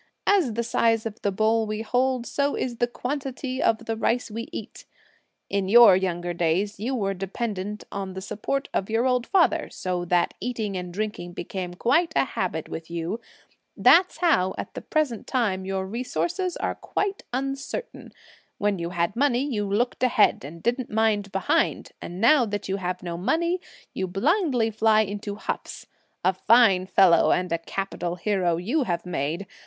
As the size of the bowl we hold, so is the quantity of the rice we eat. In your young days, you were dependent on the support of your old father, so that eating and drinking became quite a habit with you; that's how, at the present time, your resources are quite uncertain; when you had money, you looked ahead, and didn't mind behind; and now that you have no money, you blindly fly into huffs. A fine fellow and a capital hero you have made!